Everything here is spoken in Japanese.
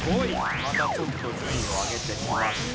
またちょっと順位を上げてきました。